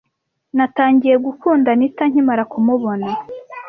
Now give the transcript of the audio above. Natangiye gukunda Anita nkimara kumubona.